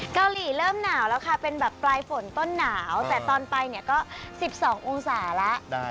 เกาหลีเริ่มหนาวแล้วค่ะเป็นแบบปลายฝนต้นหนาวแต่ตอนไปเนี่ยก็๑๒องศาแล้ว